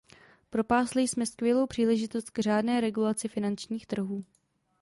Propásli jsme skvělou příležitost k řádné regulaci finančních trhů.